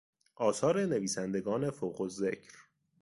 آثار نویسندگان فوقالذکر